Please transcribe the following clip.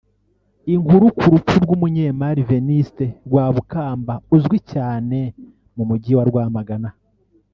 Inkuru ku rupfu rw’umunyemari Vénuste Rwabukamba uzwi cyane mu mujyi wa Rwamagana